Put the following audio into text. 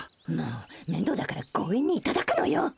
もう面倒だから強引にいただくのよ！